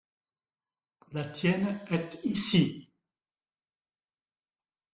la tienne est ici.